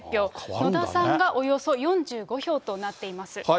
野田さんがおよそ４５票となっています。